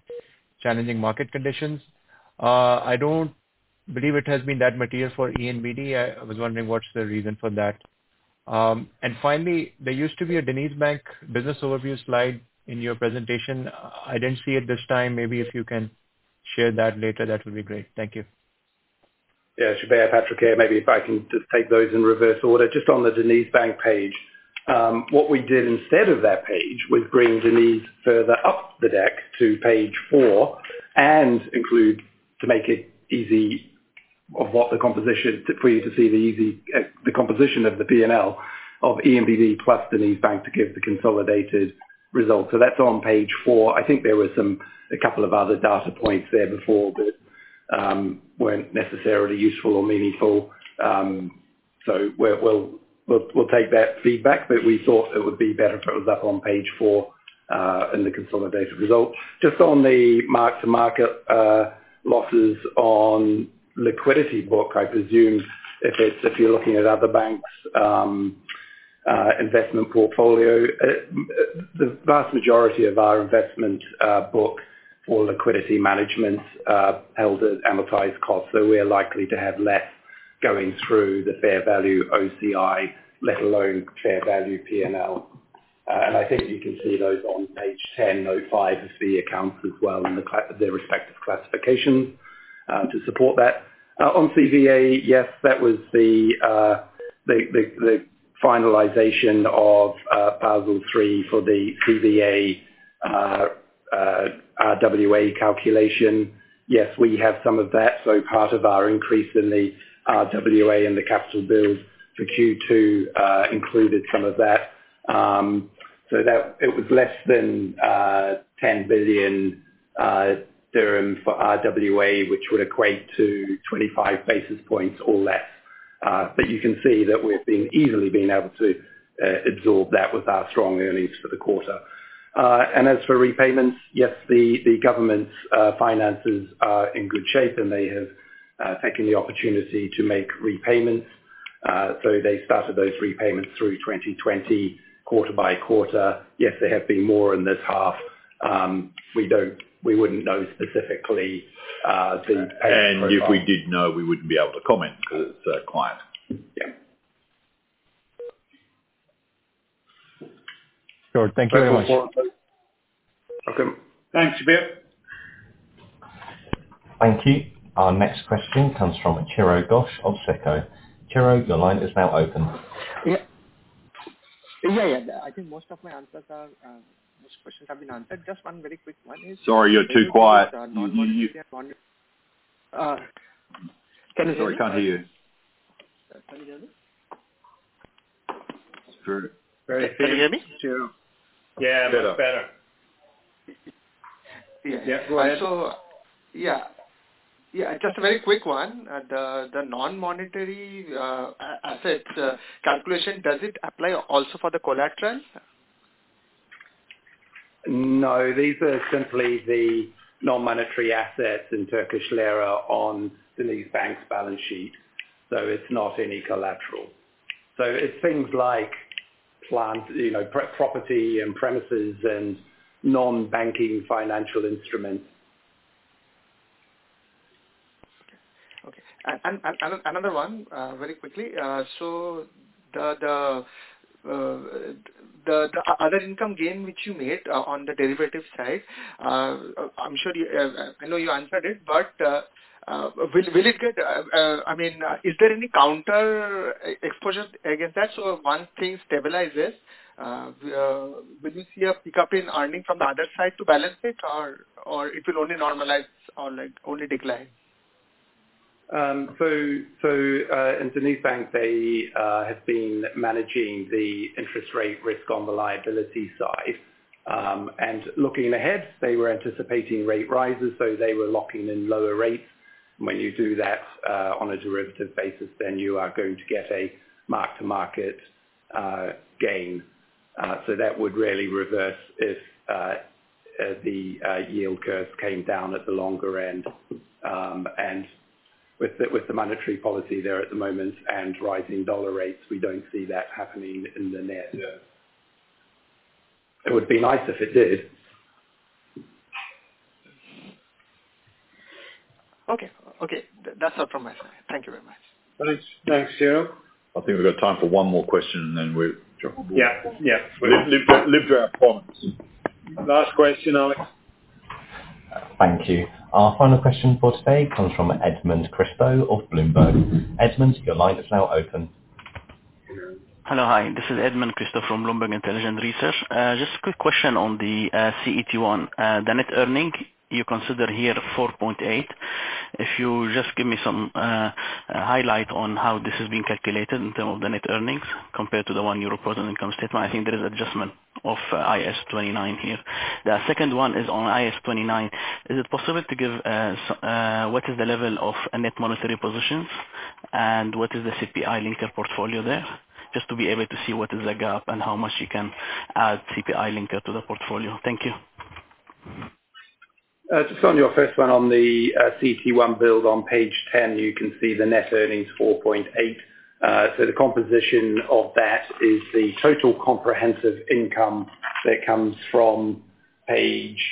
challenging market conditions. I don't believe it has been that material for ENBD. I was wondering what's the reason for that. Finally, there used to be a DenizBank business overview slide in your presentation. I didn't see it this time. Maybe if you can share that later, that would be great. Thank you. Shabbir, Patrick here. Maybe if I can just take those in reverse order. Just on the DenizBank page. What we did instead of that page was bring Deniz further up the deck to page four and include the composition of the P&L of ENBD plus DenizBank to give the consolidated results, to make it easy for you to see. So that's on page four. I think there were a couple of other data points there before that, weren't necessarily useful or meaningful. So we'll take that feedback, but we thought it would be better if it was up on page four in the consolidated results. Just on the mark-to-market losses on liquidity book. I presume if it's, if you're looking at other banks, investment portfolio, the vast majority of our investment book for liquidity management held at amortized cost. We are likely to have less going through the fair value OCI, let alone fair value P&L. I think you can see those on page 10, note 5 of the accounts as well in their respective classification to support that. On CVA, yes, that was the finalization of Basel III for the CVA RWA calculation. Yes, we have some of that. Part of our increase in the RWA and the capital build for Q2 included some of that. It was less than 10 billion dirham for RWA, which would equate to 25 basis points or less. You can see that we've easily been able to absorb that with our strong earnings for the quarter. As for repayments, yes, the government's finances are in good shape, and they have taken the opportunity to make repayments. They started those repayments through 2020, quarter by quarter. Yes, there have been more in this half. We wouldn't know specifically the payment profile. If we did know, we wouldn't be able to comment because it's a client. Yeah. Sure. Thank you very much. Welcome. Thanks, Shabbir. Thank you. Our next question comes from Chiradeep Ghosh of SICO. Kiro, your line is now open. Yeah. I think most of my answers are, most questions have been answered. Just one very quick one is. Sorry, you're too quiet. Can you hear me? Sorry, can't hear you. Can you hear me? It's very- Can you hear me? Yeah, that's better. Yeah. Yeah. Go ahead. Yeah, just a very quick one. The non-monetary assets calculation, does it apply also for the collateral? No, these are simply the non-monetary assets in Turkish lira on DenizBank's balance sheet. It's not any collateral. It's things like plant, you know, property and premises and non-banking financial instruments. Okay. Another one, very quickly. The other income gain which you made on the derivative side, I know you answered it, but is there any counter exposure against that so once things stabilizes, will you see a pickup in earnings from the other side to balance it or it will only normalize or, like, only decline? In DenizBank, they have been managing the interest rate risk on the liability side. Looking ahead, they were anticipating rate rises, so they were locking in lower rates. When you do that, on a derivative basis, then you are going to get a mark-to-market gain. That would really reverse if the yield curves came down at the longer end. With the monetary policy there at the moment and rising dollar rates, we don't see that happening in the near term. It would be nice if it did. Okay. Okay. That's all from my side. Thank you very much. Thanks. Thanks, Chiradeep. I think we've got time for one more question and then we'll jump on. Yeah. Yeah. We lived with our points. Last question, Alex. Thank you. Our final question for today comes from Edmond Christou of Bloomberg. Edmond, your line is now open. Hello. Hi, this is Edmond Christou from Bloomberg Intelligent Research. Just a quick question on the CET1. The net earnings you consider here 4.8. If you just give me some highlight on how this is being calculated in terms of the net earnings compared to the one you report on income statement. I think there is adjustment of IAS 29 here. The second one is on IAS 29. Is it possible to give what is the level of net monetary positions and what is the CPI linker portfolio there? Just to be able to see what is the gap and how much you can add CPI linker to the portfolio. Thank you. Just on your first one on the CET1 build on page 10, you can see the net earnings, 4.8. The composition of that is the total comprehensive income that comes from page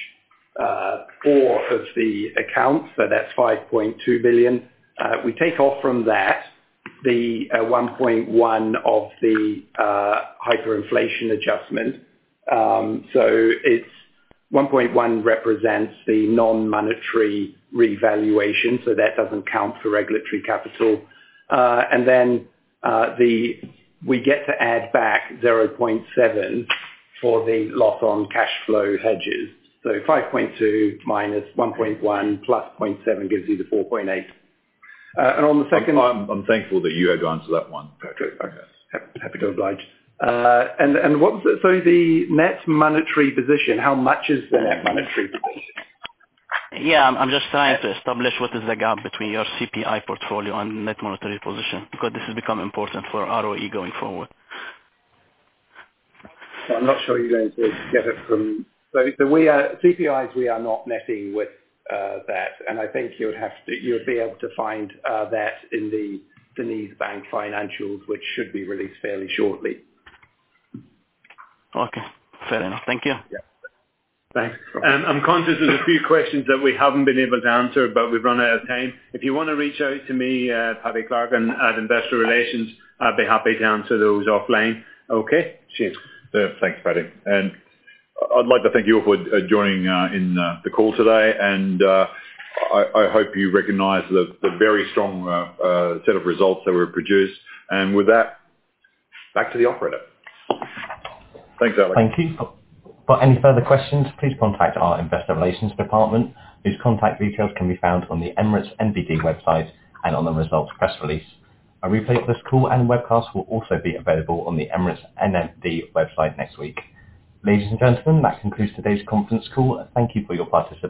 4 of the account, so that's 5.2 billion. We take off from that the 1.1 of the hyperinflation adjustment. 1.1 represents the non-monetary revaluation, so that doesn't count for regulatory capital. We get to add back 0.7 for the loss on cash flow hedges. 5.2 billion minus 1.1 plus 0.7 gives you the 4.8. On the second- I'm thankful that you had gone to that one. Happy to oblige. The net monetary position, how much is the net monetary position? Yeah, I'm just trying to establish what is the gap between your CPI portfolio and net monetary position, because this has become important for ROE going forward. I'm not sure you're going to get it from. We are CPIs. We are not messing with that. I think you'd be able to find that in the DenizBank financials, which should be released fairly shortly. Okay. Fair enough. Thank you. Yeah. Thanks. I'm conscious there's a few questions that we haven't been able to answer, but we've run out of time. If you wanna reach out to me, Paddy Clark at Investor Relations, I'd be happy to answer those offline. Okay? Cheers. Yeah. Thanks, Paddy. I'd like to thank you all for joining in the call today. I hope you recognize the very strong set of results that were produced. With that, back to the operator. Thanks, Alex. Thank you. For any further questions, please contact our investor relations department. These contact details can be found on the Emirates NBD website and on the results press release. A replay of this call and webcast will also be available on the Emirates NBD website next week. Ladies and gentlemen, that concludes today's conference call. Thank you for your participation.